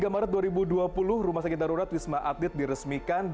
tiga maret dua ribu dua puluh rumah sakit darurat wisma atlet diresmikan